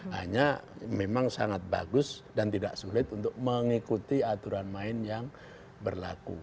hanya memang sangat bagus dan tidak sulit untuk mengikuti aturan main yang berlaku